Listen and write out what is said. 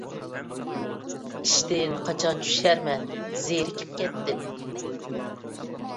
ئىشتىن قاچان چۈشەرمەن، زېرىكىپ كەتتىم.